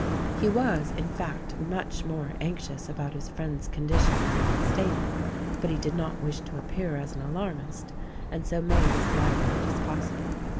He was, in fact, much more anxious about his friend's condition than he had stated ; but he did not wish to appear as an alarmist, and so made as light of it as possible.